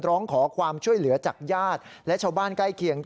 ร้องขอความช่วยเหลือจากญาติและชาวบ้านใกล้เคียง